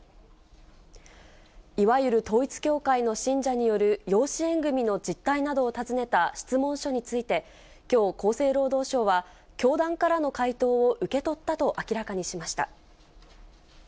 いわゆる統一教会の信者による養子縁組の実態などを尋ねた質問書について、きょう、厚生労働省は、教団からの回答を受け取ったと明らかにしました。